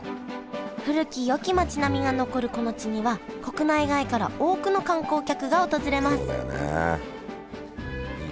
古きよき町並みが残るこの地には国内外から多くの観光客が訪れますそうだよね。